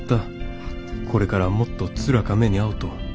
これからもっとつらか目にあうと。